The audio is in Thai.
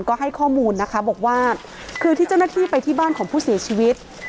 ก็ให้ข้อมูลนะคะบอกว่าคือที่เจ้าหน้าที่ไปที่บ้านของผู้เสียชีวิต